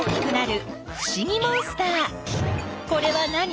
これは何？